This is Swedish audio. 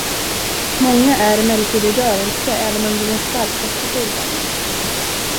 Många är emellertid i rörelse även under den starkaste solvärmen.